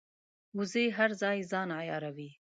وزې هر ځای ځان عیاروي